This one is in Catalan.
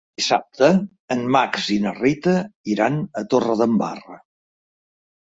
Dissabte en Max i na Rita iran a Torredembarra.